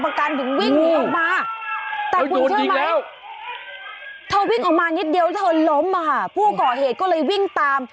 ผู้เปราะเหตุก็เลยวิ่งตาม